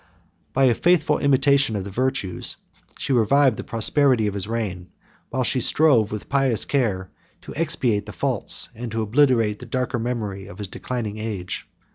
By a faithful imitation of the virtues, she revived the prosperity, of his reign; while she strove, with pious care, to expiate the faults, and to obliterate the darker memory of his declining age.